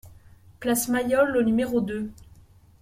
Place Mayol au numéro deux